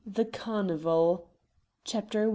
THE CARNIVAL. CHAPTER I.